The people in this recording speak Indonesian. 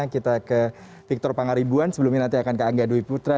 kita ke victor pangaribuan sebelumnya nanti akan ke angga dwi putra